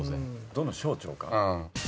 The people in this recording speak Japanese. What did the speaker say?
どの省庁か？